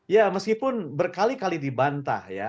ya meskipun berkali kali dibantah ya